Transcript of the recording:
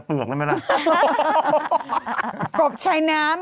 ลูกเท่าไรนะ